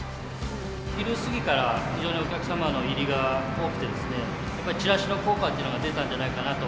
昼過ぎからいろんなお客様の入りが多くてですね、やっぱチラシの効果というのが出たんじゃないかなと。